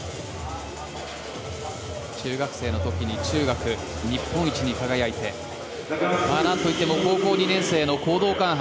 中学生の時に中学日本一に輝いてなんといっても高校２年生の講道館杯。